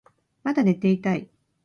まだ寝ていたい